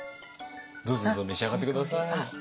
どうぞどうぞ召し上がって下さい。